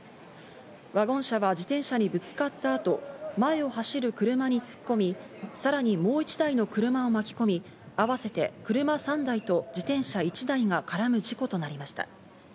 ワゴン車は自転車にぶつかったあと、前を走る車に突っ込み、さらにもう１台の車を巻き込み、合わせて車３台と自転車１台が絡む事故となりました。